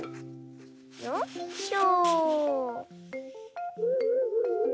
よいしょ。